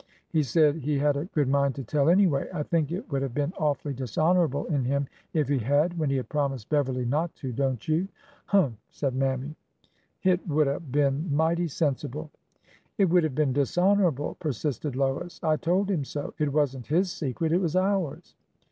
He said he had a good mind to tell, anyway. I think it would have been awfully dishonorable in him if he had— when he had promised Beverly not to. Don't you ?"'' Humph !" said Mammy. '' Hit would 'a' been mighty sensible." It would have been dishonorable," persisted Lois. I told him so. It was n't his secret. It was ours."